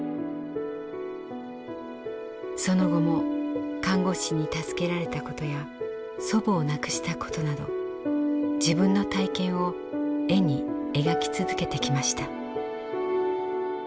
その後も看護師に助けられたことや祖母を亡くしたことなど自分の体験を絵に描き続けてきました。